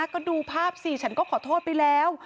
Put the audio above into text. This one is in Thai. ก็ดูภาพสิฉันก็ขอโทษไปแล้ว